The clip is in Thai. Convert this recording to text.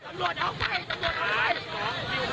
ไม่มีคนเข้ามึงแล้ว